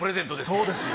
そうですよ。